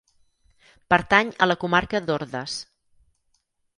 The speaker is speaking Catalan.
Pertany a la comarca d'Ordes.